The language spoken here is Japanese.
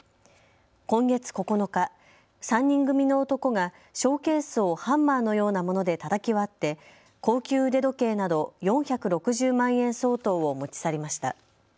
今月９日、３人組の男がショーケースをハンマーのようなものでたたき割って高級腕時計など４６０万円相当を持ち去りました。